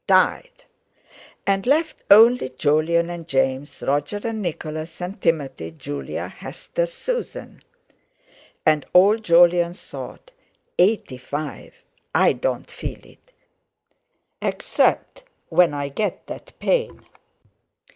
Died! and left only Jolyon and James, Roger and Nicholas and Timothy, Julia, Hester, Susan! And old Jolyon thought: "Eighty five! I don't feel it—except when I get that pain."